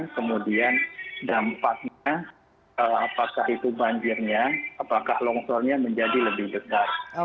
kemudian dampaknya apakah itu banjirnya apakah longsornya menjadi lebih dekat